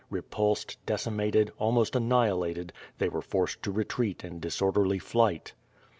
Repulsed, decimated, almost annihilated, they were forced to retreat in disorderly flight.